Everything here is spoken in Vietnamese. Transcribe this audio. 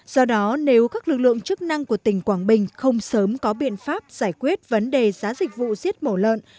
do đó nếu các lực lượng chức năng của tỉnh quảng bình không sớm có biện pháp giải quyết vấn đề giá dịch vụ giết mổ lợn